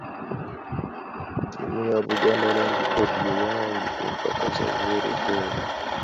Ttiimu ya Buganda Land Board y'eyawangudde empaka za Volley Ball.